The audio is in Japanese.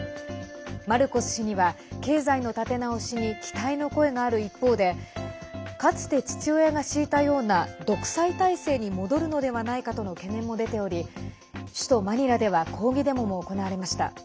マルコス氏には経済の立て直しに期待の声がある一方でかつて父親が敷いたような独裁体制に戻るのではないかとの懸念も出ており首都マニラでは抗議デモも行われました。